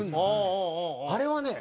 あれはね